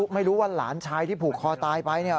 ไม่รู้ว่าหลานชายที่ผูกคอตายไปเนี่ย